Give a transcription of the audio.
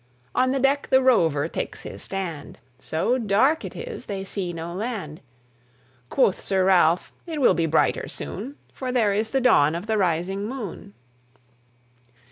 On the deck the Rover takes his stand; So dark it is they see no land. Quoth Sir Ralph, "It will be brighter soon, For there is the dawn of the rising moon."